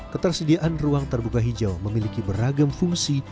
ketersediaan ruang terbuka hijau memiliki beragam fungsi